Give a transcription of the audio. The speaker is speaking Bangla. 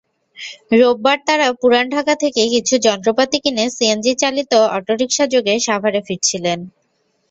রোববার তাঁরা পুরান ঢাকা থেকে কিছু যন্ত্রপাতি কিনে সিএনজিচালিত অটোরিকশাযোগে সাভারে ফিরছিলেন।